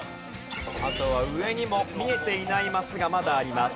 あとは上にも見えていないマスがまだあります。